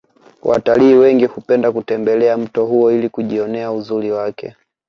watalii wengi hupenda kutembelea mto huo ili kujionea uzuri wake